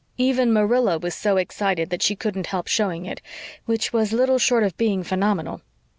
Even Marilla was so excited that she couldn't help showing it which was little short of being phenomenal.